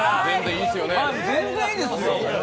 全然いいですよ。